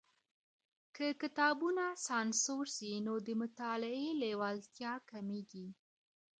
که کتابونه سانسور سي نو د مطالعې لېوالتيا کمېږي.